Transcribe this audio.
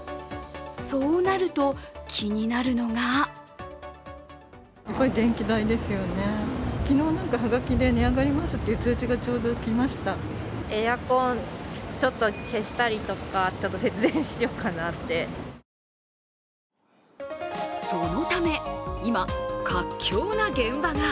そうなると気になるのがそのため、今、活況な現場が。